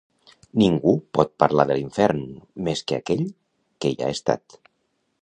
Ningú pot parlar de l'infern, més que aquell que hi ha estat.